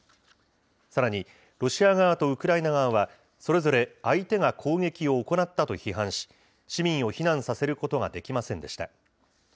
さらに、ロシア側とウクライナ側は、それぞれ相手が攻撃を行ったと批判し、市民を避難させることができませんでした。